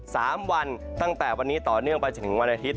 สามวันตั้งแต่วันนี้ต่อเนื่องไปจนถึงวันอาทิตย